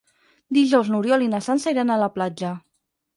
Dijous n'Oriol i na Sança iran a la platja.